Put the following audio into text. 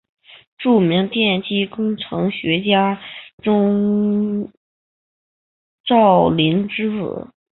著名电机工程学家钟兆琳之子。